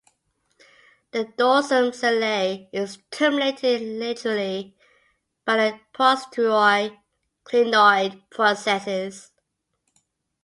The dorsum sellae is terminated laterally by the posterior clinoid processes.